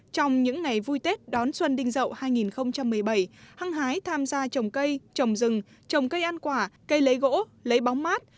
trong những ngày vui tết đón xuân đinh rậu hai nghìn một mươi bảy hăng hái tham gia trồng cây trồng rừng trồng cây ăn quả cây lấy gỗ lấy bóng mát